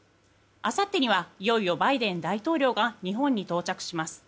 あさってにはいよいよバイデン大統領が日本に到着します。